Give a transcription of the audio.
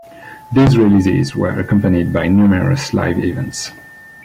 These releases were accompanied by numerous live events.